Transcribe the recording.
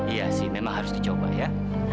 iya sih memang harus dicoba ya